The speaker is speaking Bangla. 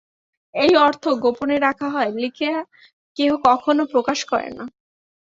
এই অর্থ গোপনে রাখা হয়, লিখিয়া কেহ কখনও প্রকাশ করেন না।